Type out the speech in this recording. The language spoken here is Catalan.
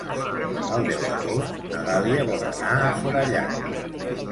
El deu d'agost na Dàlia vol anar a Forallac.